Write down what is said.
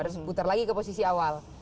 harus putar lagi ke posisi awal